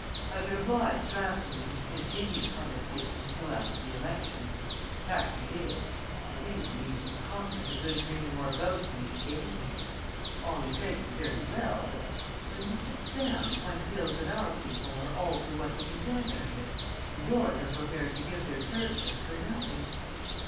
I have been obliged to ask him to discontinue public speaking until after the election. The fact of it is, I really believe he's cost us a good many more votes than he's gained. All he says is very well; but when he sits down one feels that our people are all for what they can get out of it and yours are prepared to give their services for nothing."